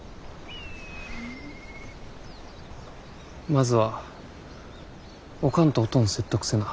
まずはおかんとおとん説得せな。